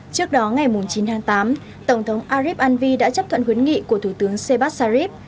trước đó ngày chín tháng tám tổng thống arif anvi đã chấp thuận huyến nghị của thủ tướng sebas sharif